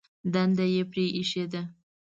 دنده یې پرېښې ده.